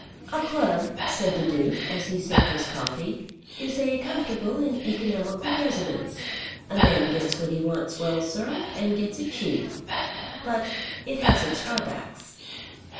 "A club," said the Duke, as he sipped his coffee, "is a comfortable and economical residence. A man gets what he wants well served, and gets it cheap. But it has its drawbacks."